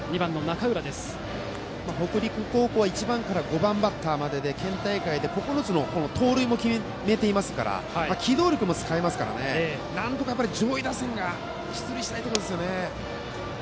北陸高校は１番から５番バッターまでで県大会で９つの盗塁も決めていますから機動力も使えますからなんとか上位打線が出塁したいところですよね。